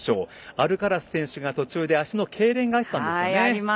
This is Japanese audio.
アルカラス選手が途中で足のけいれんがあったんですよね。